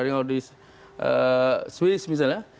hiding out di swiss misalnya